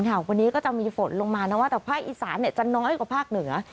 วันนี้ก็จะมีฝนลงมานะว่าแต่ภาคอีสานจะน้อยกว่าภาคเหนือ